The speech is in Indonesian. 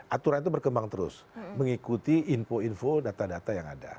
aturan itu berkembang terus mengikuti info info data data yang ada